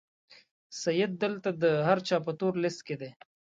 سید دلته د هر چا په تور لیست کې دی.